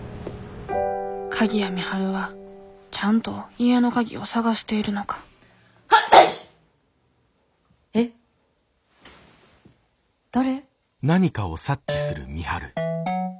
鍵谷美晴はちゃんと家の鍵を捜しているのかえっ誰？